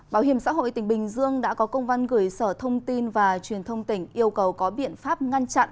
bảo hiểm xã hội tỉnh bình dương đã có công văn gửi sở thông tin và truyền thông tỉnh yêu cầu có biện pháp ngăn chặn